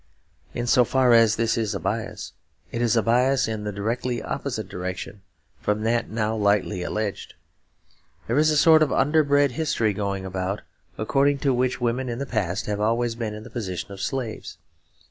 In so far as this is a bias, it is a bias in the directly opposite direction from that now lightly alleged. There is a sort of underbred history going about, according to which women in the past have always been in the position of slaves.